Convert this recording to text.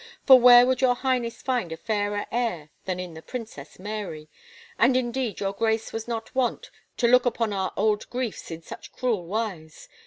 For where would your Highness find a fairer heir than in the Princess Mary ? And indeed your Grace was not wont to look upon our old griefs in such cruel wise.